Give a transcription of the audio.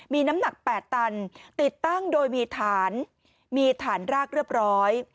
มีน้ำหนัก๘ตันติดตั้งโดยมีฐานมีฐานรากเรียบร้อย